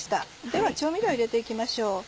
では調味料入れて行きましょう。